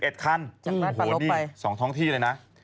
จักรยานปลาลบไป๒ท้องที่เลยนะ